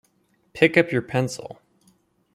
Pick up your pencil.